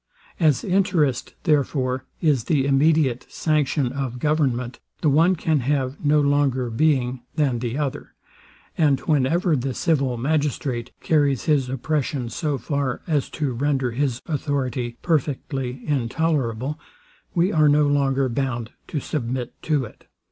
As interest, therefore, is the immediate sanction of government, the one can have no longer being than the other; and whenever the civil magistrate carries his oppression so far as to render his authority perfectly intolerable, we are no longer bound to submit to it.